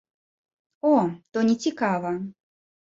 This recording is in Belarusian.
О, то не цікава.